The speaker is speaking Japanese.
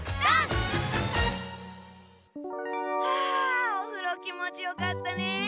あおふろ気持ちよかったね。